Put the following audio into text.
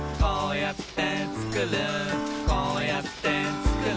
「こうやってつくる